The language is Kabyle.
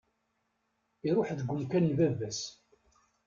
Iruḥ deg umkan n baba-s.